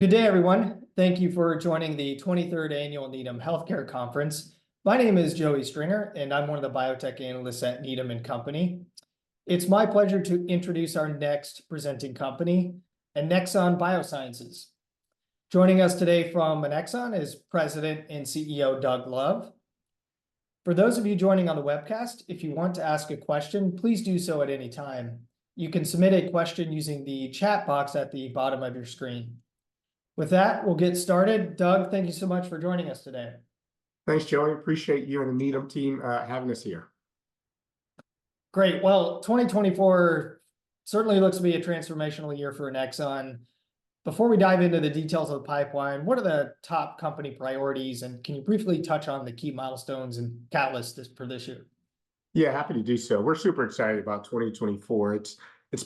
Good day, everyone. Thank you for joining the 23rd Annual Needham Healthcare Conference. My name is Joey Stringer, and I'm one of the biotech analysts at Needham & Company. It's my pleasure to introduce our next presenting company, Annexon Biosciences. Joining us today from Annexon is President and CEO Doug Love. For those of you joining on the webcast, if you want to ask a question, please do so at any time. You can submit a question using the chat box at the bottom of your screen. With that, we'll get started. Doug, thank you so much for joining us today. Thanks, Joey. Appreciate you and the Needham team having us here. Great. Well, 2024 certainly looks to be a transformational year for Annexon. Before we dive into the details of the pipeline, what are the top company priorities, and can you briefly touch on the key milestones and catalysts for this year? Yeah, happy to do so. We're super excited about 2024. It's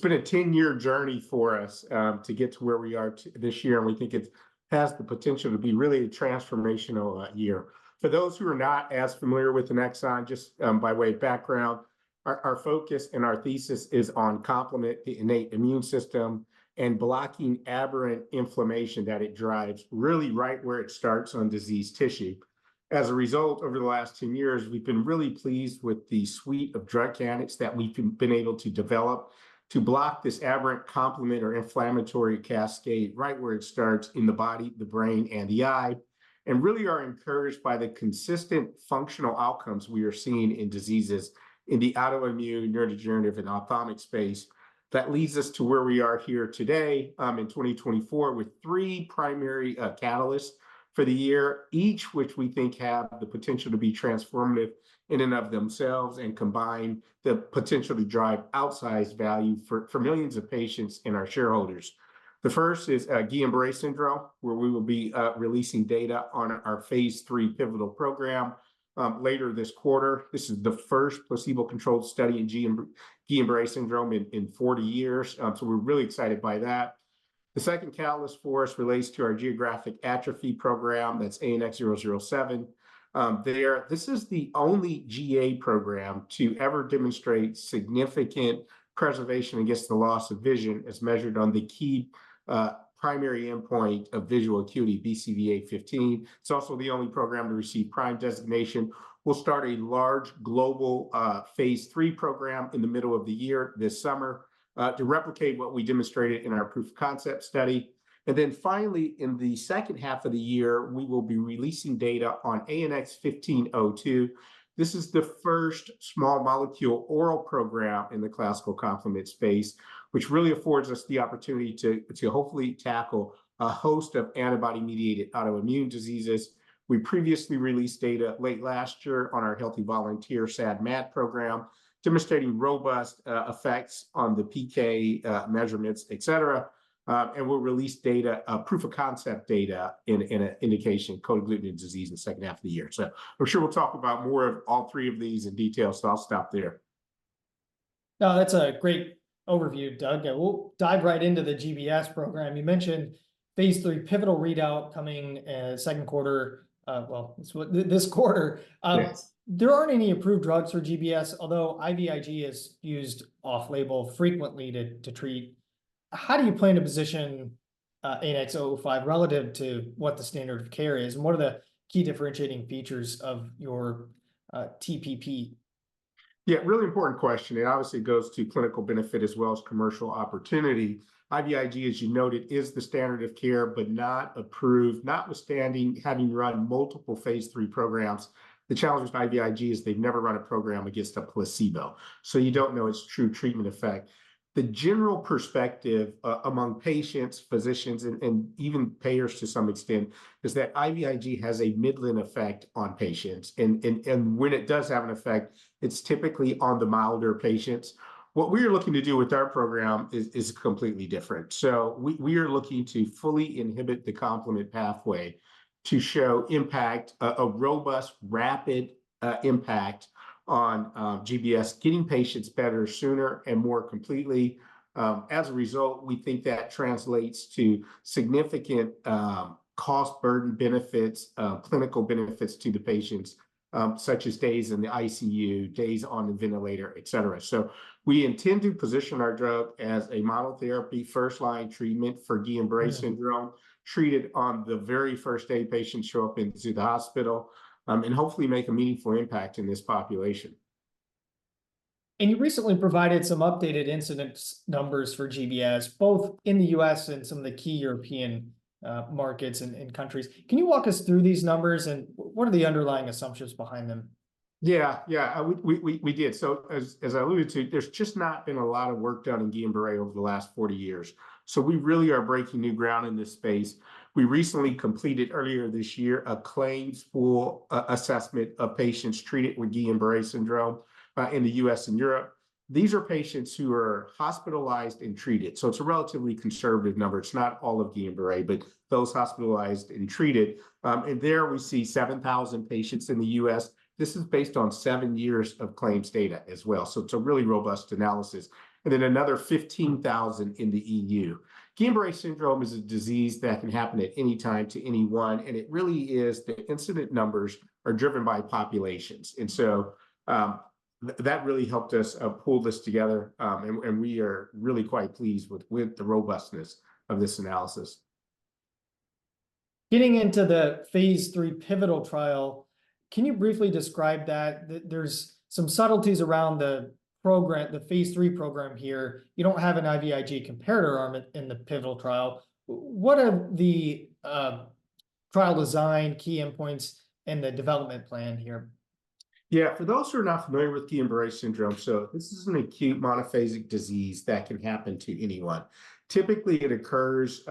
been a 10-year journey for us to get to where we are this year, and we think it has the potential to be really a transformational year. For those who are not as familiar with Annexon, just by way of background, our focus and our thesis is on complement, the innate immune system, and blocking aberrant inflammation that it drives really right where it starts on diseased tissue. As a result, over the last 10 years, we've been really pleased with the suite of drug candidates that we've been able to develop to block this aberrant complement or inflammatory cascade right where it starts in the body, the brain, and the eye, and really are encouraged by the consistent functional outcomes we are seeing in diseases in the autoimmune, neurodegenerative, and ophthalmic space that leads us to where we are here today in 2024 with three primary catalysts for the year, each which we think have the potential to be transformative in and of themselves and combine the potential to drive outsized value for millions of patients and our shareholders. The first is Guillain-Barré syndrome, where we will be releasing data on our phase III pivotal program later this quarter. This is the first placebo-controlled study in Guillain-Barré syndrome in 40 years, so we're really excited by that. The second catalyst for us relates to our geographic atrophy program. That's ANX007. This is the only GA program to ever demonstrate significant preservation against the loss of vision as measured on the key primary endpoint of visual acuity, BCVA 15. It's also the only program to receive PRIME designation. We'll start a large global phase III program in the middle of the year this summer to replicate what we demonstrated in our proof of concept study. And then finally, in the second half of the year, we will be releasing data on ANX1502. This is the first small molecule oral program in the classical complement space, which really affords us the opportunity to hopefully tackle a host of antibody-mediated autoimmune diseases. We previously released data late last year on our Healthy Volunteer SAD/MAD program demonstrating robust effects on the PK measurements, etc. We'll release proof-of-concept data in an indication, cold agglutinin disease, in the second half of the year. I'm sure we'll talk about more of all three of these in detail, so I'll stop there. No, that's a great overview, Doug. We'll dive right into the GBS program. You mentioned phase III pivotal readout coming second quarter, well, this quarter. There aren't any approved drugs for GBS, although IVIG is used off-label frequently to treat. How do you plan to position ANX005 relative to what the standard of care is, and what are the key differentiating features of your TPP? Yeah, really important question. It obviously goes to clinical benefit as well as commercial opportunity. IVIG, as you noted, is the standard of care but not approved, notwithstanding having run multiple phase III programs. The challenge with IVIG is they've never run a program against a placebo, so you don't know its true treatment effect. The general perspective among patients, physicians, and even payers to some extent is that IVIG has a midline effect on patients. When it does have an effect, it's typically on the milder patients. What we are looking to do with our program is completely different. We are looking to fully inhibit the complement pathway to show impact, a robust, rapid impact on GBS, getting patients better sooner and more completely. As a result, we think that translates to significant cost burden benefits, clinical benefits to the patients, such as days in the ICU, days on the ventilator, etc. We intend to position our drug as a model therapy, first-line treatment for Guillain-Barré syndrome treated on the very first day patients show up and see the hospital and hopefully make a meaningful impact in this population. You recently provided some updated incidence numbers for GBS, both in the U.S. and some of the key European markets and countries. Can you walk us through these numbers, and what are the underlying assumptions behind them? Yeah, yeah, we did. So as I alluded to, there's just not been a lot of work done in Guillain-Barré over the last 40 years. So we really are breaking new ground in this space. We recently completed, earlier this year, a claims pool assessment of patients treated with Guillain-Barré syndrome in the U.S. and Europe. These are patients who are hospitalized and treated. So it's a relatively conservative number. It's not all of Guillain-Barré, but those hospitalized and treated. And there we see 7,000 patients in the U.S. This is based on seven years of claims data as well. So it's a really robust analysis. And then another 15,000 in the EU. Guillain-Barré syndrome is a disease that can happen at any time to anyone, and it really is the incident numbers are driven by populations. That really helped us pull this together, and we are really quite pleased with the robustness of this analysis. Getting into the phase III pivotal trial, can you briefly describe that? There's some subtleties around the phase III program here. You don't have an IVIG comparator arm in the pivotal trial. What are the trial design key endpoints and the development plan here? Yeah, for those who are not familiar with Guillain-Barré syndrome, so this is an acute monophasic disease that can happen to anyone. Typically, it occurs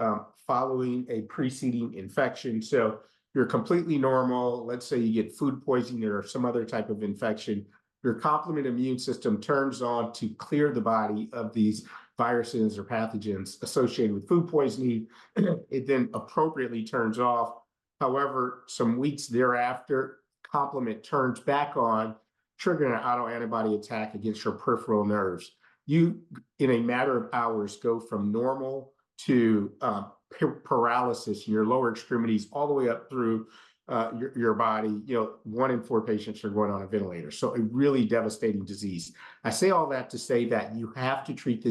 following a preceding infection. So you're completely normal. Let's say you get food poisoning or some other type of infection. Your complement immune system turns on to clear the body of these viruses or pathogens associated with food poisoning. It then appropriately turns off. However, some weeks thereafter, complement turns back on, triggering an autoantibody attack against your peripheral nerves. You, in a matter of hours, go from normal to paralysis in your lower extremities all the way up through your body. One in four patients are going on a ventilator. So a really devastating disease. I say all that to say that you have to treat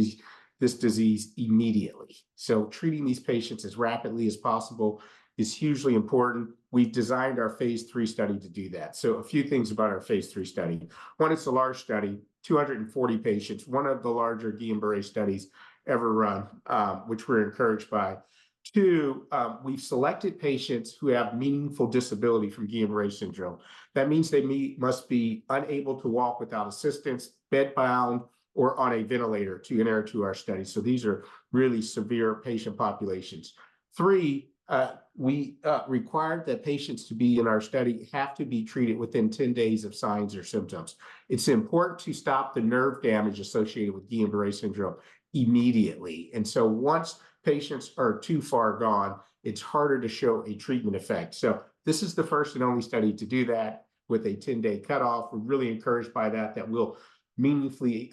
this disease immediately. So treating these patients as rapidly as possible is hugely important. We've designed our phase III study to do that. So a few things about our phase III study. One, it's a large study, 240 patients, one of the larger GBS studies ever run, which we're encouraged by. Two, we've selected patients who have meaningful disability from GBS syndrome. That means they must be unable to walk without assistance, bedbound, or on a ventilator to enter into our study. So these are really severe patient populations. Three, we required that patients to be in our study have to be treated within 10 days of signs or symptoms. It's important to stop the nerve damage associated with GBS syndrome immediately. And so once patients are too far gone, it's harder to show a treatment effect. So this is the first and only study to do that with a 10-day cutoff. We're really encouraged by that, that we'll meaningfully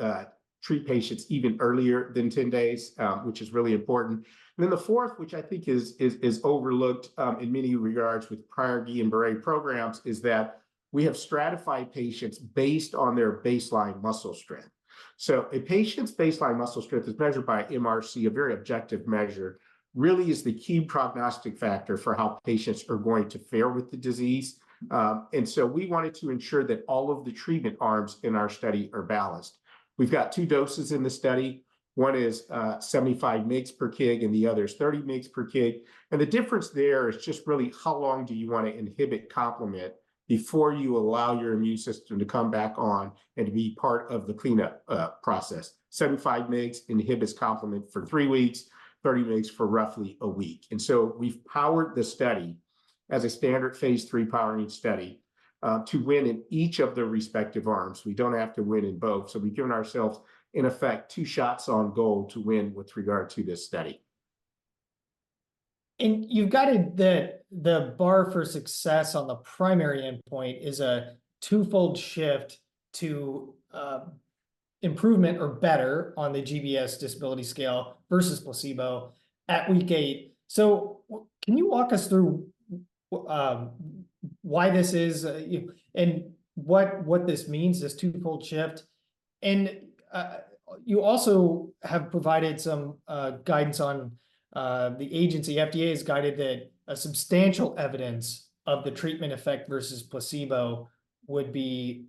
treat patients even earlier than 10 days, which is really important. Then the fourth, which I think is overlooked in many regards with prior GBS programs, is that we have stratified patients based on their baseline muscle strength. A patient's baseline muscle strength, as measured by MRC, a very objective measure, really is the key prognostic factor for how patients are going to fare with the disease. We wanted to ensure that all of the treatment arms in our study are balanced. We've got two doses in the study. One is 75 mg per kg, and the other is 30 mg per kg. The difference there is just really how long do you want to inhibit complement before you allow your immune system to come back on and to be part of the cleanup process. 75 mg inhibits complement for three weeks, 30 mg for roughly a week. We've powered the study as a standard phase III powering study to win in each of the respective arms. We don't have to win in both. We've given ourselves, in effect, two shots on goal to win with regard to this study. You've got it that the bar for success on the primary endpoint is a twofold shift to improvement or better on the GBS Disability Scale versus placebo at week eight. Can you walk us through why this is and what this means, this twofold shift? You also have provided some guidance on the agency. The FDA has guided that substantial evidence of the treatment effect versus placebo would be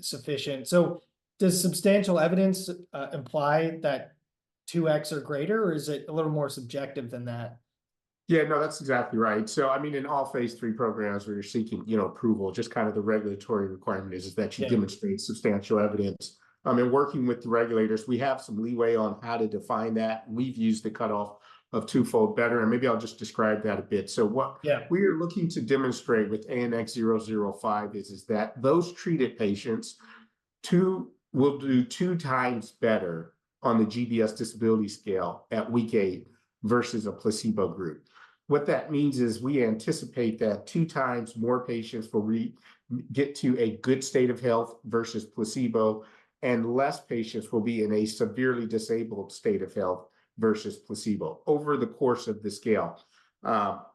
sufficient. Does substantial evidence imply that 2x or greater, or is it a little more subjective than that? Yeah, no, that's exactly right. So, I mean, in all phase III programs where you're seeking approval, just kind of the regulatory requirement is that you demonstrate substantial evidence. And working with the regulators, we have some leeway on how to define that. We've used the cutoff of twofold better. And maybe I'll just describe that a bit. So what we are looking to demonstrate with ANX005 is that those treated patients, two, will do two times better on the GBS disability scale at week eight versus a placebo group. What that means is we anticipate that two times more patients will get to a good state of health versus placebo, and less patients will be in a severely disabled state of health versus placebo over the course of the scale.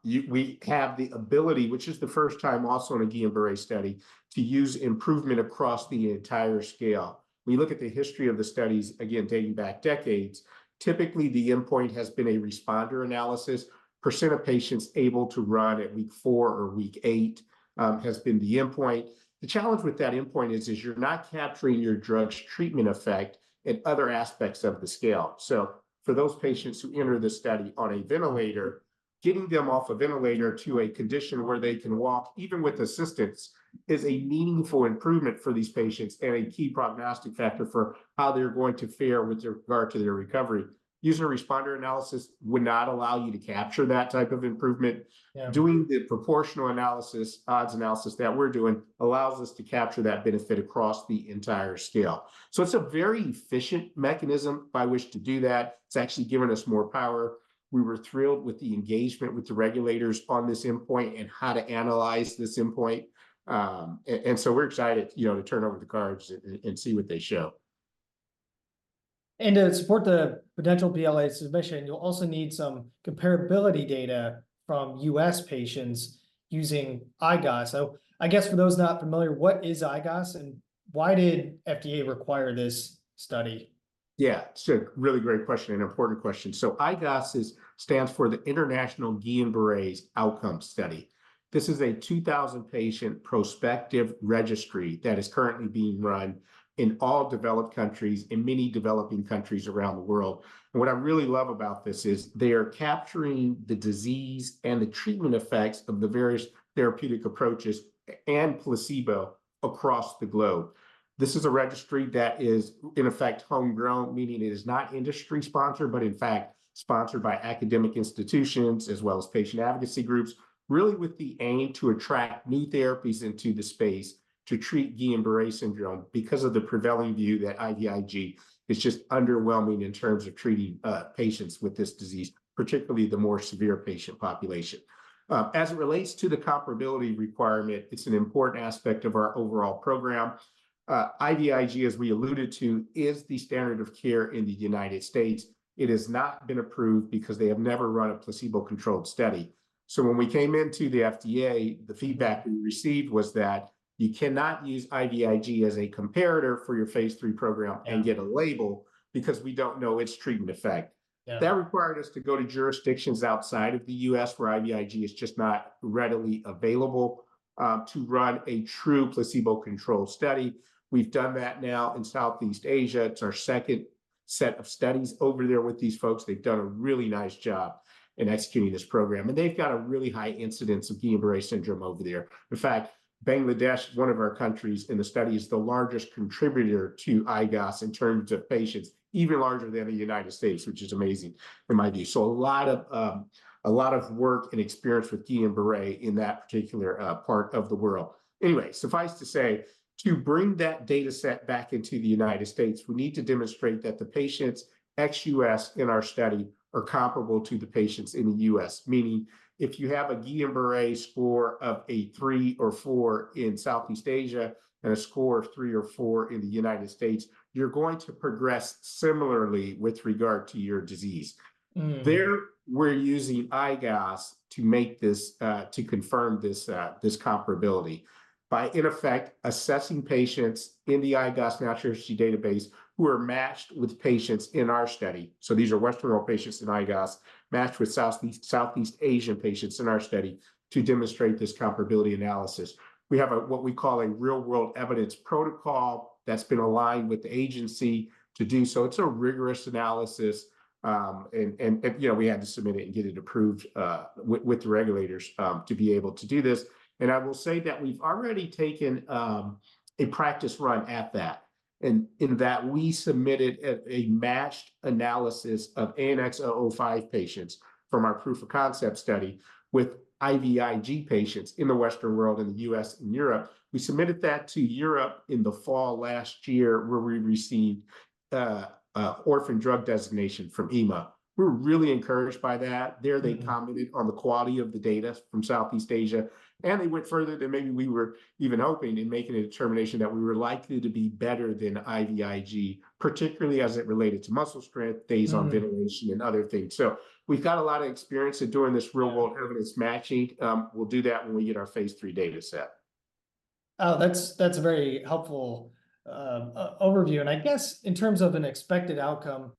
We have the ability, which is the first time also in a GBS study, to use improvement across the entire scale. We look at the history of the studies, again, dating back decades. Typically, the endpoint has been a responder analysis. Percent of patients able to run at week four or week eight has been the endpoint. The challenge with that endpoint is you're not capturing your drug's treatment effect in other aspects of the scale. So for those patients who enter the study on a ventilator, getting them off a ventilator to a condition where they can walk even with assistance is a meaningful improvement for these patients and a key prognostic factor for how they're going to fare with regard to their recovery. Using a responder analysis would not allow you to capture that type of improvement. Doing the proportional analysis, odds analysis that we're doing, allows us to capture that benefit across the entire scale. So it's a very efficient mechanism by which to do that. It's actually given us more power. We were thrilled with the engagement with the regulators on this endpoint and how to analyze this endpoint. And so we're excited to turn over the cards and see what they show. To support the potential BLA submission, you'll also need some comparability data from U.S. patients using IGOS. I guess for those not familiar, what is IGOS, and why did the FDA require this study? Yeah, so really great question and important question. So IGOS stands for the International Guillain-Barré Outcome Study. This is a 2,000-patient prospective registry that is currently being run in all developed countries and many developing countries around the world. And what I really love about this is they are capturing the disease and the treatment effects of the various therapeutic approaches and placebo across the globe. This is a registry that is, in effect, homegrown, meaning it is not industry-sponsored, but in fact, sponsored by academic institutions as well as patient advocacy groups, really with the aim to attract new therapies into the space to treat Guillain-Barré syndrome because of the prevailing view that IVIG is just underwhelming in terms of treating patients with this disease, particularly the more severe patient population. As it relates to the comparability requirement, it's an important aspect of our overall program. IVIG, as we alluded to, is the standard of care in the United States. It has not been approved because they have never run a placebo-controlled study. When we came into the FDA, the feedback we received was that you cannot use IVIG as a comparator for your phase III program and get a label because we don't know its treatment effect. That required us to go to jurisdictions outside of the U.S. where IVIG is just not readily available to run a true placebo-controlled study. We've done that now in Southeast Asia. It's our second set of studies over there with these folks. They've done a really nice job in executing this program, and they've got a really high incidence of Guillain-Barré syndrome over there. In fact, Bangladesh, one of our countries in the study, is the largest contributor to IGOS in terms of patients, even larger than the United States, which is amazing in my view. So a lot of work and experience with GBS in that particular part of the world. Anyway, suffice to say, to bring that dataset back into the United States, we need to demonstrate that the patients ex-U.S. in our study are comparable to the patients in the U.S. Meaning, if you have a GBS score of a three or four in Southeast Asia and a score of three or four in the United States, you're going to progress similarly with regard to your disease. There, we're using IGOS to make this to confirm this comparability by, in effect, assessing patients in the IGOS Natural History Database who are matched with patients in our study. These are Western world patients in IGOS matched with Southeast Asian patients in our study to demonstrate this comparability analysis. We have what we call a real-world evidence protocol that's been aligned with the agency to do so. It's a rigorous analysis. We had to submit it and get it approved with the regulators to be able to do this. I will say that we've already taken a practice run at that, in that we submitted a matched analysis of ANX005 patients from our proof of concept study with IVIG patients in the Western world, in the U.S., and Europe. We submitted that to Europe in the fall last year, where we received an Orphan Drug Designation from EMA. We were really encouraged by that. There, they commented on the quality of the data from Southeast Asia, and they went further than maybe we were even hoping in making a determination that we were likely to be better than IVIG, particularly as it related to muscle strength, days on ventilation, and other things. We've got a lot of experience in doing this real-world evidence matching. We'll do that when we get our phase III dataset. Oh, that's a very helpful overview. I guess in terms of an expected outcome,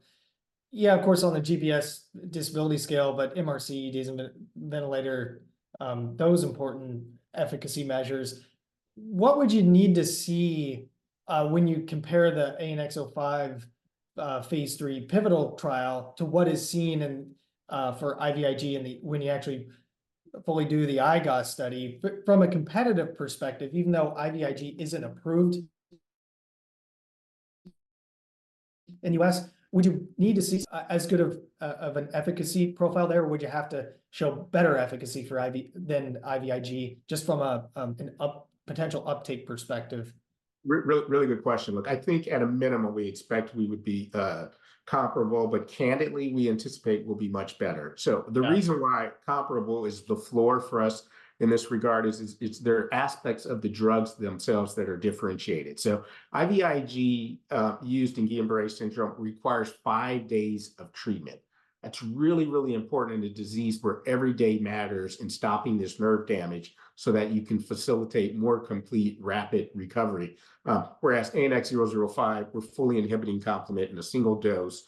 yeah, of course, on the GBS Disability Scale, but MRC, days on ventilator, those important efficacy measures. What would you need to see when you compare the ANX005 phase III pivotal trial to what is seen for IVIG when you actually fully do the IGOS study from a competitive perspective, even though IVIG isn't approved in the U.S.? Would you need to see as good of an efficacy profile there, or would you have to show better efficacy than IVIG just from a potential uptake perspective? Really good question. Look, I think at a minimum, we expect we would be comparable, but candidly, we anticipate we'll be much better. So the reason why comparable is the floor for us in this regard is there are aspects of the drugs themselves that are differentiated. So IVIG used in Guillain-Barré syndrome requires five days of treatment. That's really, really important in a disease where every day matters in stopping this nerve damage so that you can facilitate more complete, rapid recovery. Whereas ANX005, we're fully inhibiting complement in a single dose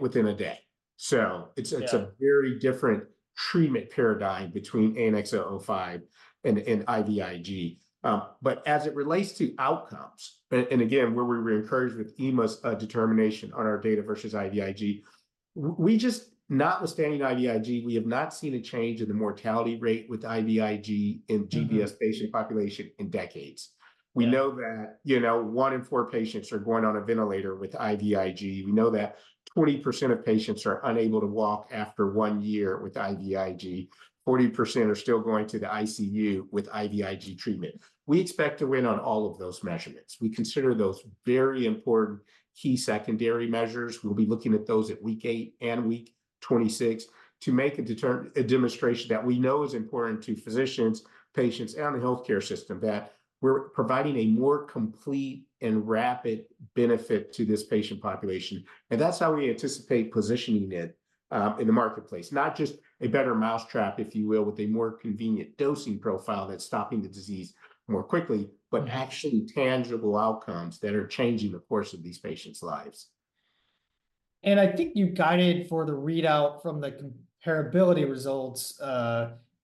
within a day. So it's a very different treatment paradigm between ANX005 and IVIG. But as it relates to outcomes, and again, where we were encouraged with EMA's determination on our data versus IVIG, we just notwithstanding IVIG, we have not seen a change in the mortality rate with IVIG in GBS patient population in decades. We know that one in four patients are going on a ventilator with IVIG. We know that 20% of patients are unable to walk after one year with IVIG. 40% are still going to the ICU with IVIG treatment. We expect to win on all of those measurements. We consider those very important key secondary measures. We'll be looking at those at week eight and week 26 to make a demonstration that we know is important to physicians, patients, and the healthcare system that we're providing a more complete and rapid benefit to this patient population. And that's how we anticipate positioning it in the marketplace, not just a better mousetrap, if you will, with a more convenient dosing profile that's stopping the disease more quickly, but actually tangible outcomes that are changing the course of these patients' lives. I think you guided for the readout from the comparability results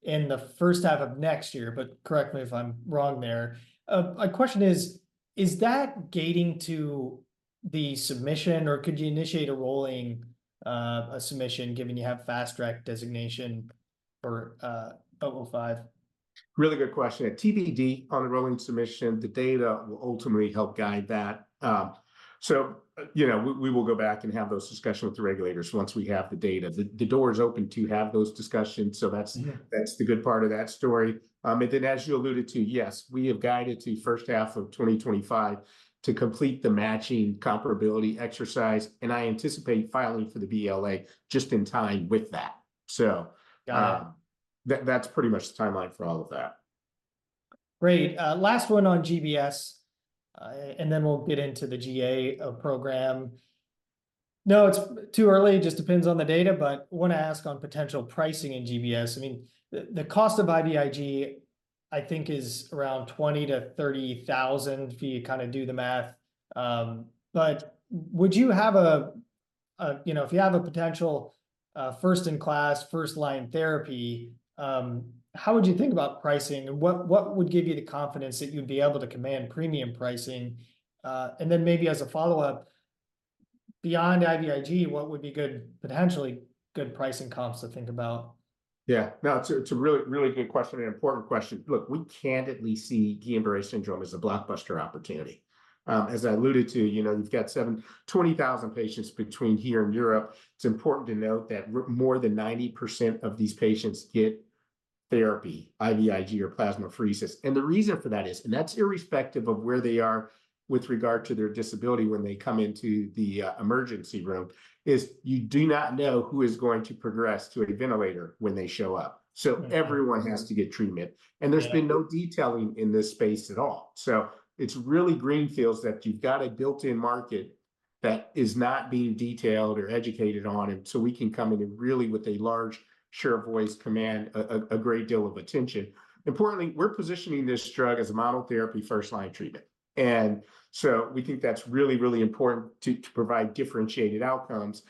in the first half of next year, but correct me if I'm wrong there. My question is, is that gating to the submission, or could you initiate a rolling submission given you have Fast Track designation for 005? Really good question. At TBD on the rolling submission, the data will ultimately help guide that. So we will go back and have those discussions with the regulators once we have the data. The door is open to have those discussions. So that's the good part of that story. And then, as you alluded to, yes, we have guided to first half of 2025 to complete the matching comparability exercise, and I anticipate filing for the BLA just in time with that. So that's pretty much the timeline for all of that. Great. Last one on GBS, and then we'll get into the GA program. No, it's too early. It just depends on the data. But I want to ask on potential pricing in GBS. I mean, the cost of IVIG, I think, is around $20,000-$30,000 if you kind of do the math. But would you have a potential first-in-class, first-line therapy, how would you think about pricing? And what would give you the confidence that you'd be able to command premium pricing? And then maybe as a follow-up, beyond IVIG, what would be good, potentially good pricing comps to think about? Yeah, no, it's a really, really good question and important question. Look, we candidly see Guillain-Barré syndrome as a blockbuster opportunity. As I alluded to, you've got 20,000 patients between here and Europe. It's important to note that more than 90% of these patients get therapy, IVIG or plasmapheresis. And the reason for that is, and that's irrespective of where they are with regard to their disability when they come into the emergency room, is you do not know who is going to progress to a ventilator when they show up. So everyone has to get treatment. And there's been no detailing in this space at all. So it's really greenfields that you've got a built-in market that is not being detailed or educated on, and so we can come in and really with a large share of voice command a great deal of attention. Importantly, we're positioning this drug as a model therapy, first-line treatment. And so we think that's really, really important to provide differentiated outcomes.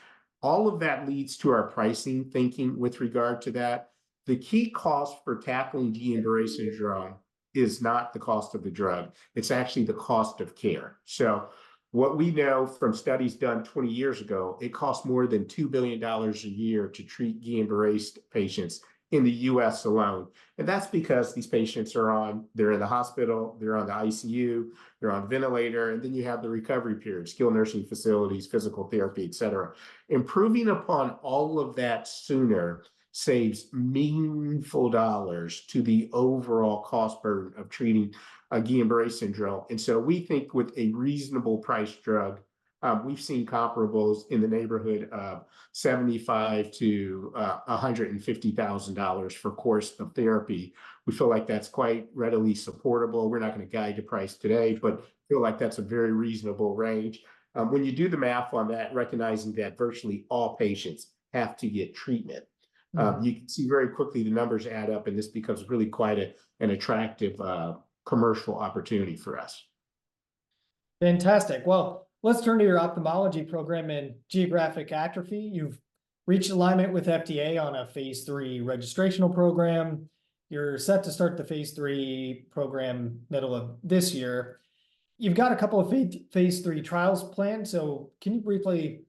All of that leads to our pricing thinking with regard to that. The key cost for tackling Guillain-Barré syndrome is not the cost of the drug. It's actually the cost of care. So what we know from studies done 20 years ago, it costs more than $2 billion a year to treat Guillain-Barré patients in the U.S. alone. And that's because these patients are in the hospital, they're on the ICU, they're on a ventilator, and then you have the recovery period, skilled nursing facilities, physical therapy, etc. Improving upon all of that sooner saves meaningful dollars to the overall cost burden of treating a Guillain-Barré syndrome. And so we think with a reasonably priced drug, we've seen comparables in the neighborhood of $75,000-$150,000 for a course of therapy. We feel like that's quite readily supportable. We're not going to guide your price today, but feel like that's a very reasonable range. When you do the math on that, recognizing that virtually all patients have to get treatment, you can see very quickly the numbers add up, and this becomes really quite an attractive commercial opportunity for us. Fantastic. Well, let's turn to your ophthalmology program and Geographic Atrophy. You've reached alignment with the FDA on a phase III registration program. You're set to start the phase III program middle of this year. You've got a couple of phase III trials planned. So can you briefly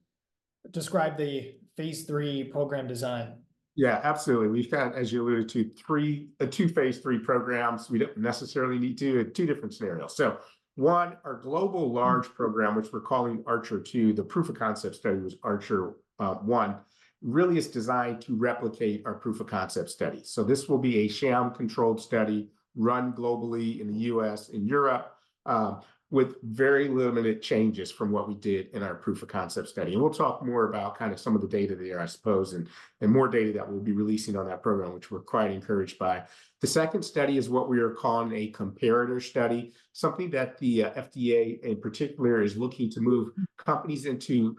describe the phase III program design? Yeah, absolutely. We've got, as you alluded to, two phase III programs. We don't necessarily need to. Two different scenarios. So one, our global large program, which we're calling ARCHER II, the proof of concept study was ARCHER I, really is designed to replicate our proof of concept study. So this will be a sham-controlled study run globally in the U.S., in Europe, with very limited changes from what we did in our proof of concept study. And we'll talk more about kind of some of the data there, I suppose, and more data that we'll be releasing on that program, which we're quite encouraged by. The second study is what we are calling a comparator study, something that the FDA in particular is looking to move companies into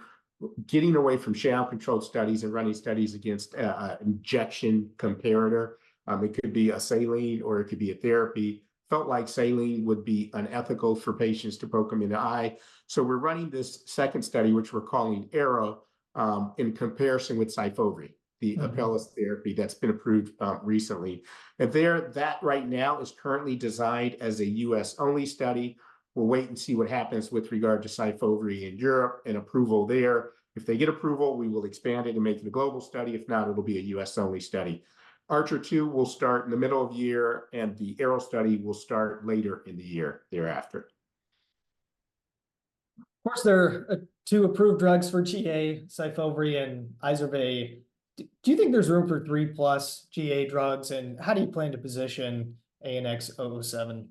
getting away from sham-controlled studies and running studies against injection comparator. It could be a saline, or it could be a therapy. Felt like saline would be unethical for patients to poke them in the eye. So we're running this second study, which we're calling ARROW, in comparison with SYFOVRE, the Apellis therapy that's been approved recently. And there, that right now is currently designed as a U.S.-only study. We'll wait and see what happens with regard to SYFOVRE in Europe and approval there. If they get approval, we will expand it and make it a global study. If not, it'll be a U.S.-only study. ARCHER II will start in the middle of year, and the ARROW study will start later in the year thereafter. Of course, there are two approved drugs for GA, SYFOVRE and Izervay. Do you think there's room for three-plus GA drugs? And how do you plan to position ANX007?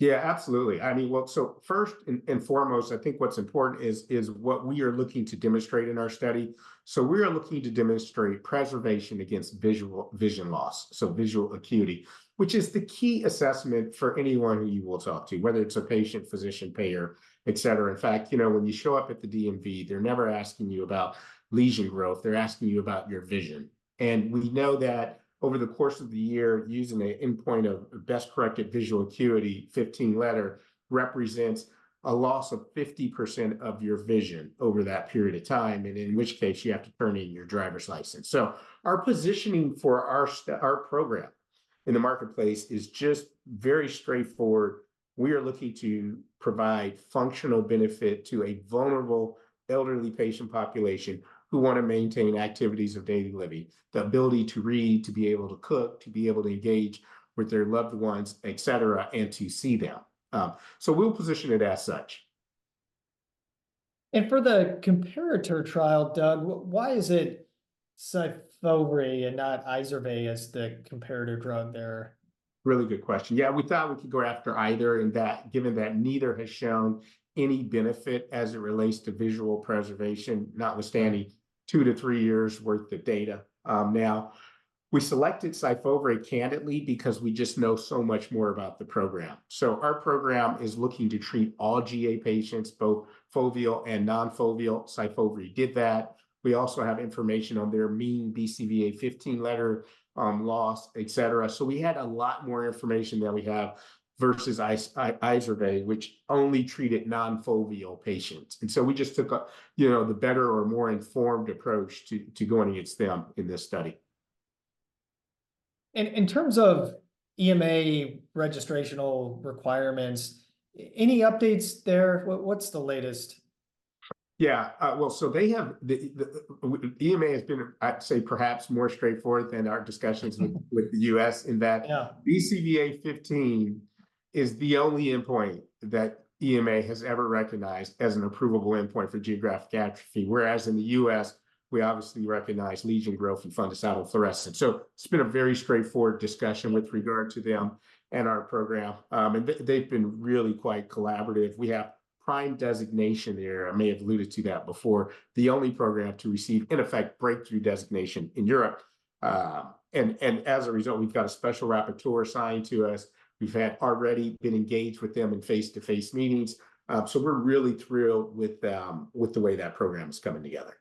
Yeah, absolutely. I mean, well, so first and foremost, I think what's important is what we are looking to demonstrate in our study. So we are looking to demonstrate preservation against visual vision loss, so visual acuity, which is the key assessment for anyone who you will talk to, whether it's a patient, physician, payer, etc. In fact, you know when you show up at the DMV, they're never asking you about lesion growth. They're asking you about your vision. And we know that over the course of the year, using an endpoint of best-corrected visual acuity, 15-letter, represents a loss of 50% of your vision over that period of time, and in which case you have to turn in your driver's license. So our positioning for our program in the marketplace is just very straightforward. We are looking to provide functional benefit to a vulnerable elderly patient population who want to maintain activities of daily living, the ability to read, to be able to cook, to be able to engage with their loved ones, etc., and to see them. So we'll position it as such. For the comparator trial, Doug, why is it SYFOVRE and not Izervay as the comparator drug there? Really good question. Yeah, we thought we could go after either in that given that neither has shown any benefit as it relates to visual preservation, notwithstanding 2-3 years' worth of data. Now, we selected SYFOVRE candidly because we just know so much more about the program. So our program is looking to treat all GA patients, both foveal and non-foveal. SYFOVRE did that. We also have information on their mean BCVA 15-letter loss, etc. So we had a lot more information than we have versus Izervay, which only treated non-foveal patients. And so we just took a, you know, the better or more informed approach to going against them in this study. In terms of EMA registration requirements, any updates there? What's the latest? Yeah, well, so the EMA has been, I'd say, perhaps more straightforward than our discussions with the U.S. in that BCVA 15 is the only endpoint that EMA has ever recognized as an approvable endpoint for geographic atrophy. Whereas in the U.S., we obviously recognize lesion growth and fundus autofluorescence. So it's been a very straightforward discussion with regard to them and our program. And they've been really quite collaborative. We have PRIME designation there. I may have alluded to that before, the only program to receive, in effect, breakthrough designation in Europe. And as a result, we've got a special rapporteur assigned to us. We've already been engaged with them in face-to-face meetings. So we're really thrilled with the way that program is coming together.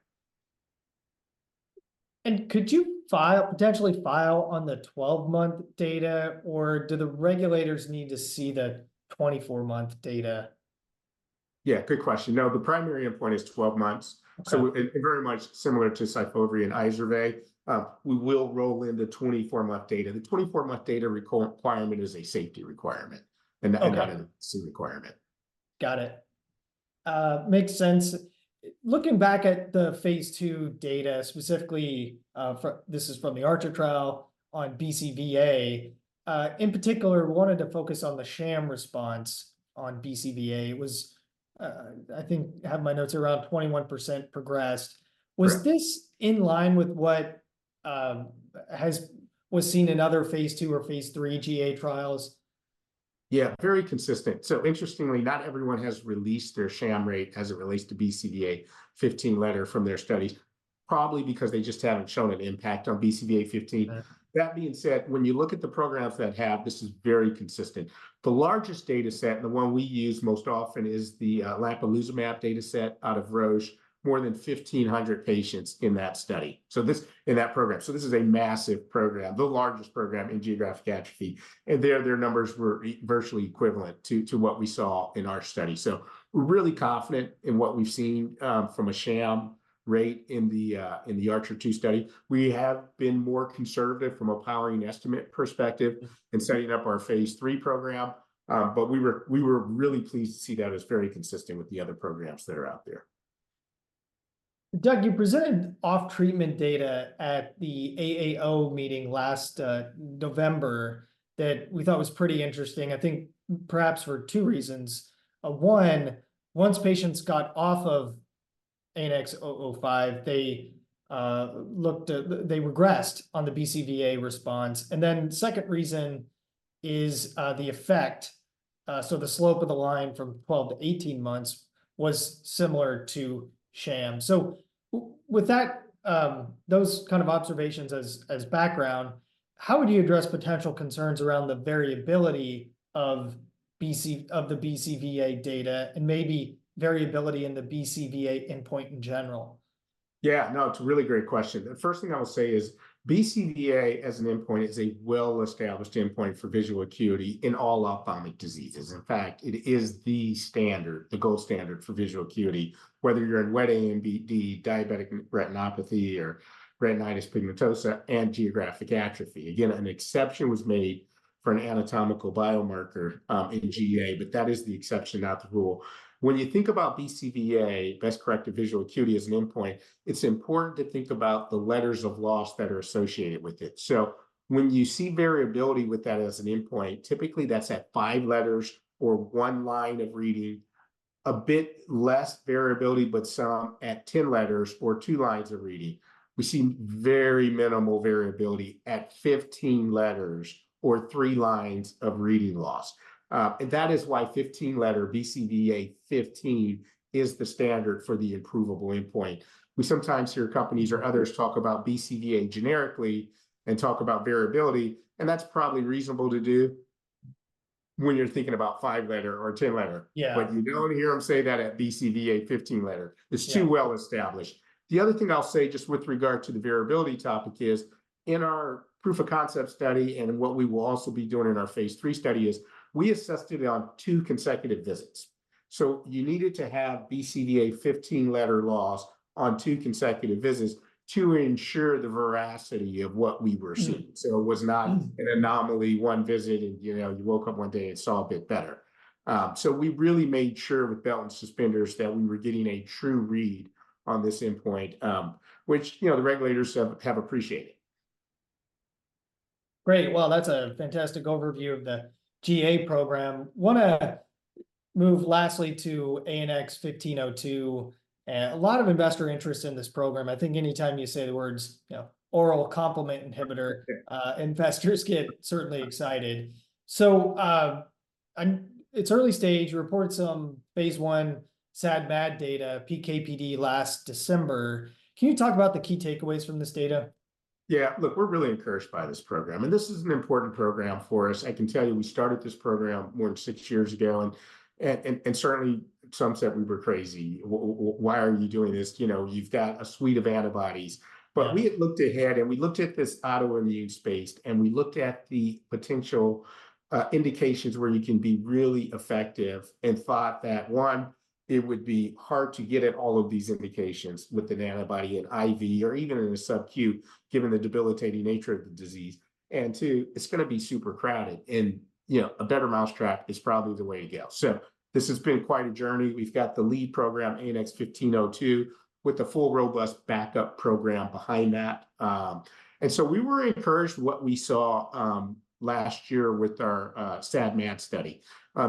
Could you potentially file on the 12-month data, or do the regulators need to see the 24-month data? Yeah, good question. No, the primary endpoint is 12 months. So very much similar to SYFOVRE and Izervay, we will roll in the 24-month data. The 24-month data requirement is a safety requirement and not an efficacy requirement. Got it. Makes sense. Looking back at the phase II data, specifically, this is from the ARCHER trial on BCVA. In particular, we wanted to focus on the sham response on BCVA. It was, I think, I have my notes around 21% progressed. Was this in line with what was seen in other phase II or phase III GA trials? Yeah, very consistent. So interestingly, not everyone has released their sham rate as it relates to BCVA 15-letter from their studies, probably because they just haven't shown an impact on BCVA 15. That being said, when you look at the programs that have, this is very consistent. The largest dataset, and the one we use most often, is the lampalizumab dataset out of Roche, more than 1,500 patients in that study, so this in that program. So this is a massive program, the largest program in geographic atrophy. And there, their numbers were virtually equivalent to what we saw in our study. So we're really confident in what we've seen from a sham rate in the ARCHER II study. We have been more conservative from a powering estimate perspective in setting up our phase III program. We were really pleased to see that as very consistent with the other programs that are out there. Doug, you presented off-treatment data at the AAO meeting last November that we thought was pretty interesting, I think, perhaps for two reasons. One, once patients got off of ANX005, they regressed on the BCVA response. And then second reason is the effect, so the slope of the line from 12-18 months was similar to sham. So with those kind of observations as background, how would you address potential concerns around the variability of the BCVA data and maybe variability in the BCVA endpoint in general? Yeah, no, it's a really great question. The first thing I will say is BCVA as an endpoint is a well-established endpoint for visual acuity in all ophthalmic diseases. In fact, it is the standard, the gold standard for visual acuity, whether you're in wet AMD, diabetic retinopathy, or retinitis pigmentosa, and geographic atrophy. Again, an exception was made for an anatomical biomarker in GA, but that is the exception, not the rule. When you think about BCVA, best-corrected visual acuity as an endpoint, it's important to think about the letters of loss that are associated with it. So when you see variability with that as an endpoint, typically that's at five letters or one line of reading, a bit less variability, but some at 10 letters or two lines of reading. We see very minimal variability at 15 letters or three lines of reading loss. That is why 15-letter BCVA 15 is the standard for the approvable endpoint. We sometimes hear companies or others talk about BCVA generically and talk about variability. That's probably reasonable to do when you're thinking about five-letter or 10-letter. But you don't hear them say that at BCVA 15-letter. It's too well established. The other thing I'll say just with regard to the variability topic is in our proof of concept study and what we will also be doing in our phase III study is we assessed it on two consecutive visits. So you needed to have BCVA 15-letter loss on two consecutive visits to ensure the veracity of what we were seeing. So it was not an anomaly, one visit, and you know, you woke up one day and saw a bit better. We really made sure with belt and suspenders that we were getting a true read on this endpoint, which, you know, the regulators have appreciated. Great. Well, that's a fantastic overview of the GA program. Want to move lastly to ANX1502. A lot of investor interest in this program. I think anytime you say the words, you know, oral complement inhibitor, investors get certainly excited. So it's early stage. You report some phase I SAD/MAD data, PK/PD, last December. Can you talk about the key takeaways from this data? Yeah, look, we're really encouraged by this program. And this is an important program for us. I can tell you, we started this program more than six years ago. And certainly, some said we were crazy. Why are you doing this? You know, you've got a suite of antibodies. But we had looked ahead, and we looked at this autoimmune space, and we looked at the potential indications where you can be really effective and thought that, one, it would be hard to get at all of these indications with an antibody in IV or even in a subcu given the debilitating nature of the disease. And two, it's going to be super crowded. And, you know, a better mousetrap is probably the way to go. So this has been quite a journey. We've got the lead program, ANX1502, with a full robust backup program behind that. And so we were encouraged by what we saw last year with our SAD/MAD study.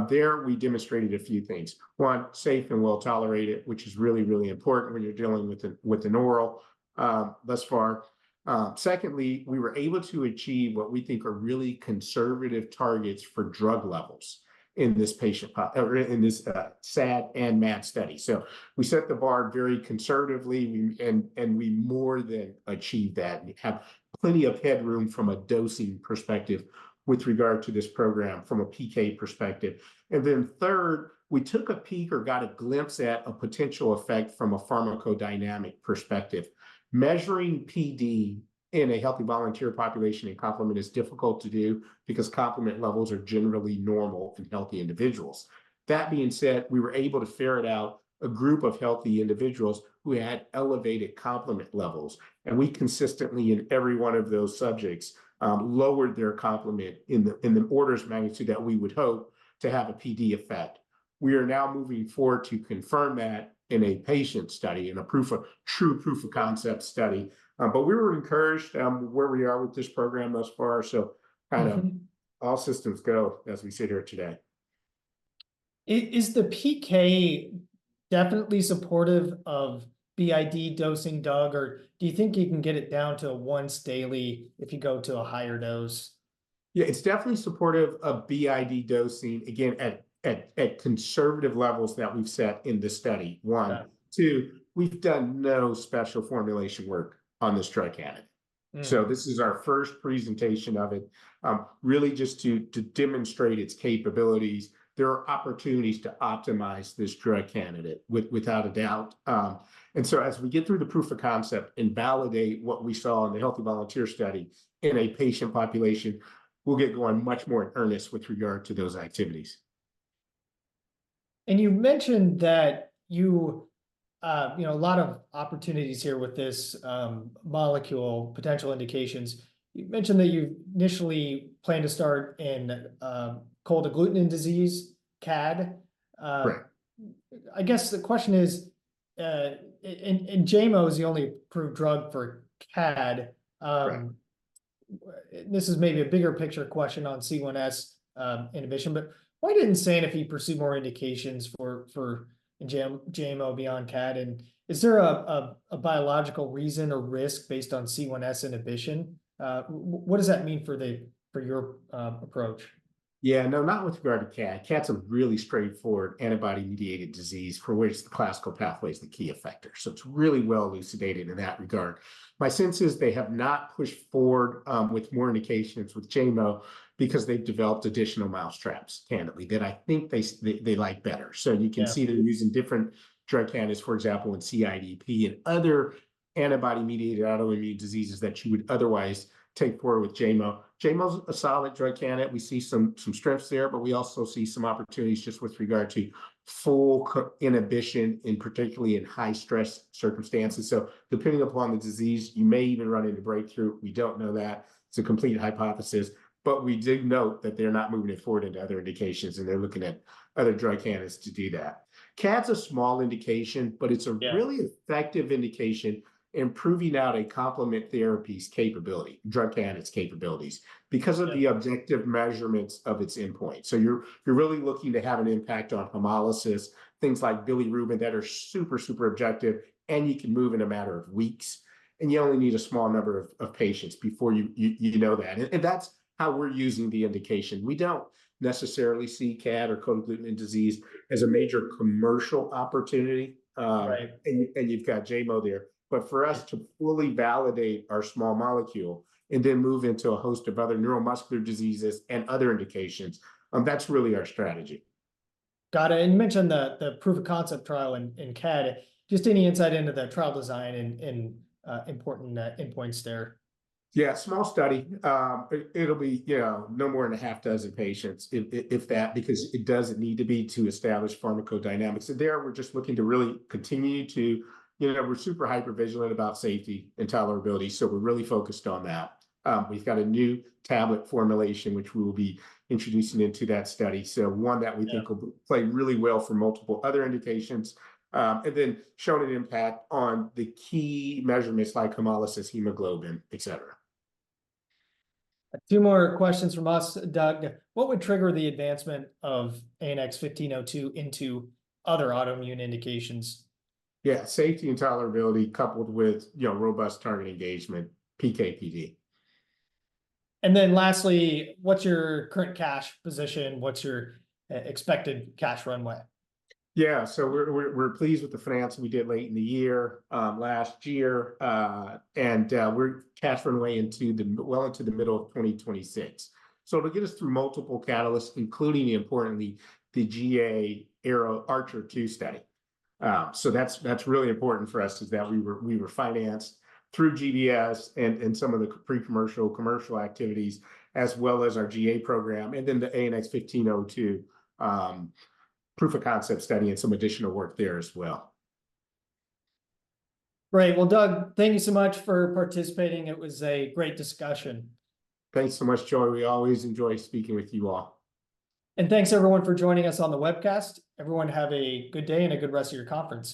There, we demonstrated a few things. One, safe and well-tolerated, which is really, really important when you're dealing with an oral thus far. Secondly, we were able to achieve what we think are really conservative targets for drug levels in this patient or in this SAD/MAD study. So we set the bar very conservatively, and we more than achieved that and have plenty of headroom from a dosing perspective with regard to this program from a PK perspective. And then third, we took a peek or got a glimpse at a potential effect from a pharmacodynamic perspective. Measuring PD in a healthy volunteer population in complement is difficult to do because complement levels are generally normal in healthy individuals. That being said, we were able to ferret out a group of healthy individuals who had elevated complement levels. We consistently, in every one of those subjects, lowered their complement in the order of magnitude that we would hope to have a PD effect. We are now moving forward to confirm that in a patient study, in a true proof of concept study. We were encouraged where we are with this program thus far. So kind of all systems go as we sit here today. Is the PK definitely supportive of BID dosing, Doug, or do you think you can get it down to a once daily if you go to a higher dose? Yeah, it's definitely supportive of BID dosing, again, at conservative levels that we've set in this study. One. Two, we've done no special formulation work on this drug candidate. So this is our first presentation of it, really just to demonstrate its capabilities. There are opportunities to optimize this drug candidate, without a doubt. And so as we get through the proof of concept and validate what we saw in the healthy volunteer study in a patient population, we'll get going much more in earnest with regard to those activities. You mentioned that, you know, a lot of opportunities here with this molecule, potential indications. You mentioned that you initially planned to start in cold agglutinin disease, CAD. Correct. I guess the question is, and Enjaymo is the only approved drug for CAD. This is maybe a bigger picture question on C1s inhibition, but why didn't Sanofi pursue more indications for Enjaymo beyond CAD? And is there a biological reason or risk based on C1s inhibition? What does that mean for your approach? Yeah, no, not with regard to CAD. CAD is a really straightforward antibody-mediated disease for which the classical pathway is the key effector. So it's really well elucidated in that regard. My sense is they have not pushed forward with more indications with Enjaymo because they've developed additional mousetraps, candidly, that I think they like better. So you can see they're using different drug candidates, for example, in CIDP and other antibody-mediated autoimmune diseases that you would otherwise take forward with Enjaymo. Enjaymo is a solid drug candidate. We see some strengths there, but we also see some opportunities just with regard to full inhibition, particularly in high-stress circumstances. So depending upon the disease, you may even run into breakthrough. We don't know that. It's a complete hypothesis. But we do note that they're not moving it forward into other indications, and they're looking at other drug candidates to do that. CAD is a small indication, but it's a really effective indication in proving out a complement therapy's capability, drug candidate's capabilities, because of the objective measurements of its endpoint. So you're really looking to have an impact on hemolysis, things like bilirubin that are super, super objective, and you can move in a matter of weeks. And you only need a small number of patients before you know that. And that's how we're using the indication. We don't necessarily see CAD or cold agglutinin disease as a major commercial opportunity. And you've got Enjaymo there. But for us to fully validate our small molecule and then move into a host of other neuromuscular diseases and other indications, that's really our strategy. Got it. And you mentioned the proof of concept trial in CAD. Just any insight into the trial design and important endpoints there? Yeah, small study. It'll be, you know, no more than six patients, if that, because it doesn't need to be to establish pharmacodynamics. And there, we're just looking to really continue to, you know, we're super hypervigilant about safety and tolerability. So we're really focused on that. We've got a new tablet formulation, which we will be introducing into that study, so one that we think will play really well for multiple other indications, and then showing an impact on the key measurements like hemolysis, hemoglobin, etc. Two more questions from us, Doug. What would trigger the advancement of ANX1502 into other autoimmune indications? Yeah, safety and tolerability coupled with, you know, robust target engagement, PKPD. What's your current cash position? What's your expected cash runway? Yeah, so we're pleased with the finance we did late in the year last year. And we're cash runway well into the middle of 2026. So it'll get us through multiple catalysts, including importantly, the GA ARCHER II study. So that's really important for us is that we were financed through GBS and some of the pre-commercial, commercial activities, as well as our GA program and then the ANX1502 proof of concept study and some additional work there as well. Great. Well, Doug, thank you so much for participating. It was a great discussion. Thanks so much, Joey. We always enjoy speaking with you all. Thanks, everyone, for joining us on the webcast. Everyone, have a good day and a good rest of your conference.